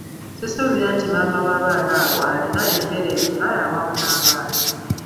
Sisuubira nti maama w'abaana abo alina emmere emumala awamu n'abaana.